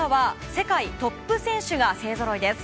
世界トップ選手が勢ぞろいです。